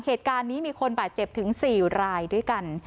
เหตุการณ์นี้มีคนบาดเจ็บถึง๔รายด้วยกัน